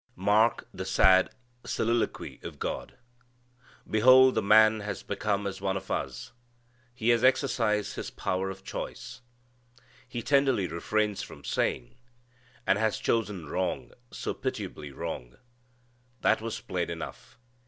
Mark the sad soliloquy of God: "Behold the man has become as one of us: He has exercised his power of choice." He tenderly refrains from saying, "and has chosen wrong! so pitiably wrong!" That was plain enough.